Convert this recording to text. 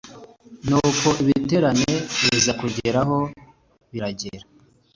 Umujyanama wa Nkurunziza mu bijyanye n’itumanaho yahamije ko koko Blatter yegereye perezida amusaba kureka kwiyamamaza